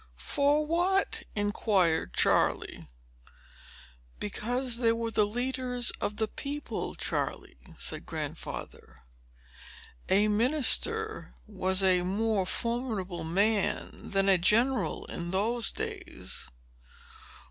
"For what?" inquired Charley. "Because they were the leaders of the people, Charley," said Grandfather. "A minister was a more formidable man than a general, in those days.